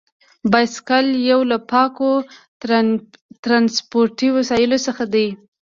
بایسکل یو له پاکو ترانسپورتي وسیلو څخه دی.